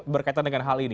berkaitan dengan hal ini